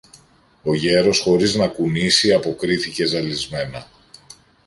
Ο γέρος χωρίς να κουνήσει, αποκρίθηκε ζαλισμένα